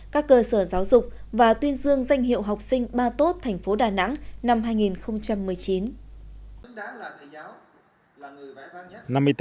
các cơ sở giáo dục và tuyên dương danh hiệu học sinh ba tốt thành phố đà nẵng năm hai nghìn một mươi chín